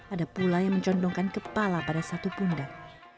ada pula yang mencondongkan kepala pada satu pundak